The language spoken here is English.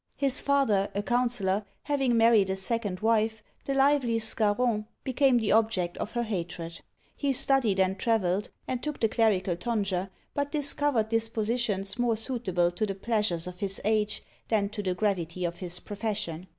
His father, a counsellor, having married a second wife, the lively Scarron became the object of her hatred. He studied, and travelled, and took the clerical tonsure; but discovered dispositions more suitable to the pleasures of his age than to the gravity of his profession.